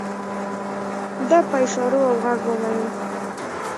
ده په اشارو او غږ وويل.